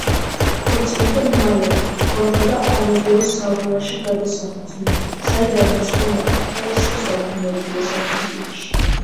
ქორწილიდან მალევე, ბონა და ამადეო სავოიაში გადასახლდნენ, საიდანაც ბონა აღარასდროს დაბრუნებულა საფრანგეთში.